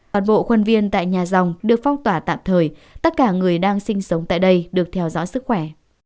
toàn bộ khuôn viên tại nhà dòng được phong tỏa tạm thời tất cả người đang sinh sống tại đây được theo dõi sức khỏe